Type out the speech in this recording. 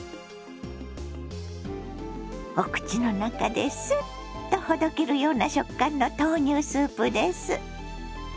お口の中ですっとほどけるような食感の豆乳スープです。